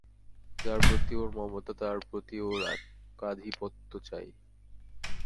যার প্রতি ওর মমতা তার প্রতি ওর একাধিপত্য চাই।